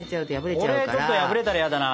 これちょっと破れたら嫌だな。